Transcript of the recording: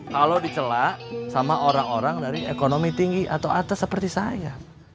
kalau dicelak sama orang orang dari ekonomi tinggi atau atas seperti saya